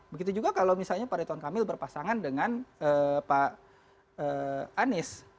begitu juga kalau misalnya pak rituan kamil berpasangan dengan pak anies